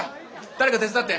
誰か手伝って。